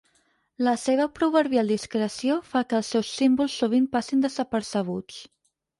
La seva proverbial discreció fa que els seus símbols sovint passin desapercebuts.